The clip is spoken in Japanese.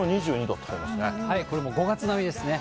これも５月並みですね。